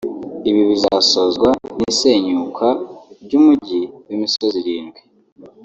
Ibi bizasozwa n’isenyuka ry’umujyi w’imisozi irindwi